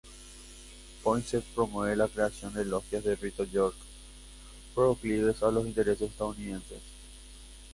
Poinsett promueve la creación de logias del Rito York, proclives a los intereses estadounidenses.